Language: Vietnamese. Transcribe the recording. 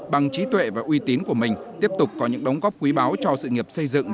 bằng trí tuệ và uy tín của mình tiếp tục có những đóng góp quý báo cho sự nghiệp xây dựng